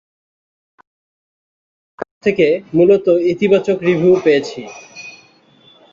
সমালোচকদের কাছ থেকে মূলত ইতিবাচক রিভিউ পেয়েছে।